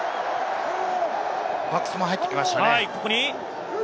バックスも入ってきましたね。